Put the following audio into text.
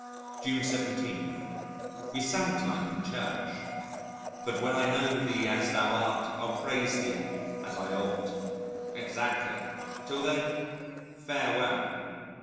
July 17. We sang to night in Church, "But when I know Thee as Thou art, I'll praise Thee as I ought." Exactly! Till then, farewell.